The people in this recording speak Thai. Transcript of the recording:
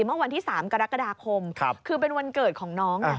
เมื่อวันที่๓กรกฎาคมคือเป็นวันเกิดของน้อง